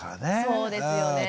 そうですよねえ。